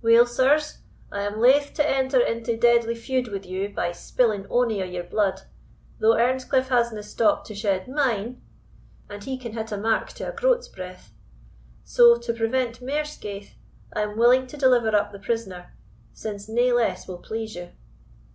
"Weel, sirs, I am laith to enter into deadly feud with you by spilling ony of your bluid, though Earnscliff hasna stopped to shed mine and he can hit a mark to a groat's breadth so, to prevent mair skaith, I am willing to deliver up the prisoner, since nae less will please you."